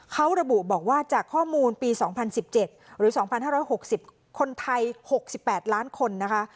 เขาระบุบอกว่าจากข้อมูลปี๒๐๑๗หรือ๒๕๖๐คนไทย๖๘ล้านคนนะคะ